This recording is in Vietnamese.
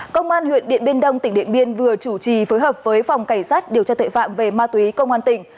công an huyện điện biên đông tỉnh điện biên vừa chủ trì phối hợp với phòng cảnh sát điều tra tuệ phạm về ma túy công an tỉnh